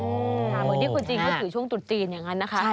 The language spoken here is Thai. เหมือนที่คนจีนเขาถือช่วงตุดจีนอย่างนั้นนะคะ